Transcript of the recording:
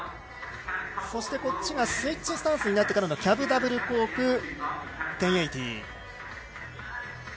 そしてこっちがスイッチスタンスになってからのキャブダブルコーク１０８０